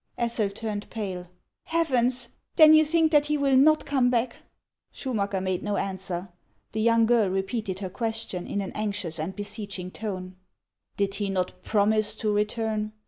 Ethel turned pale. " Heavens ! Then you think that he will not come back ?" Schmnacker made no answer. The young girl repeated her question in an anxious and beseeching tone. "Did he not promise to return?"